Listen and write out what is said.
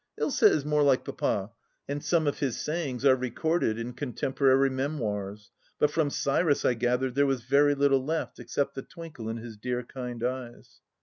Ilsa is more like Papa, and some of his sayings are recorded in contemporary memoirs ; but from Cyrus I gathered there was very little left, except the twinkle in his dear kind eyes.